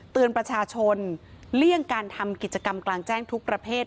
เตือนประชาชนเลี่ยงการทำกิจกรรมกลางแจ้งทุกประเภท